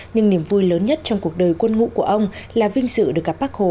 nhưng niềm vui lớn nhất trong cuộc đời quân ngũ của ông là vinh dự được gặp bác hồ